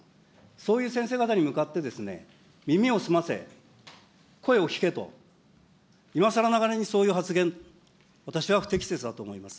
そういう先生方に向かって、耳を澄ませ、声を聞けと、いまさらながらにそういう発言、私は不適切だと思います。